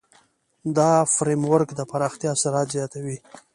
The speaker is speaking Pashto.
دا فریم ورک د پراختیا سرعت زیاتوي.